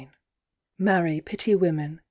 "Mary, Pity Women!"